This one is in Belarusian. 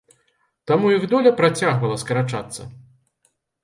Таму іх доля працягвала скарачацца.